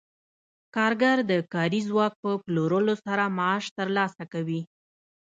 کارګر د کاري ځواک په پلورلو سره معاش ترلاسه کوي